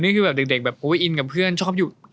นี่คือแบบเด็กแบบโอ้ยอินกับเพื่อนชอบอยู่